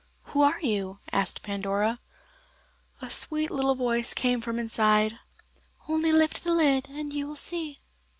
"Who are you?" asked Pandora. A sweet little voice came from inside: "Only lift the lid and you will see."